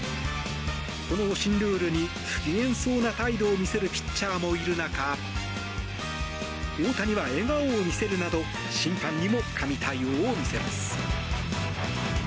この新ルールに不機嫌そうな態度を見せるピッチャーもいる中大谷は笑顔を見せるなど審判にも神対応を見せます。